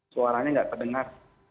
suaranya nggak terdengar